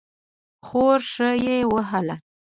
خورا ښه یې وهله.